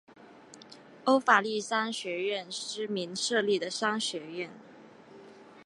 欧法利商学院之名设立的商学院。